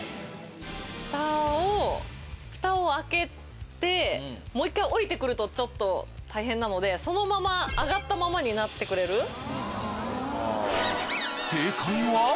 フタをフタを開けてもう１回下りてくるとちょっと大変なのでそのまま上がったままになってくれる。